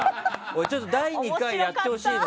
ちょっと第２回でやってほしいの。